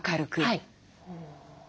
はい。